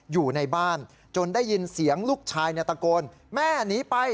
อยู่ในบ้านจนได้ยินเสียงลูกชายตะโกนแม่หนีไป